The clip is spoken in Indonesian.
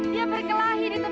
dia berkelahi di tepi danau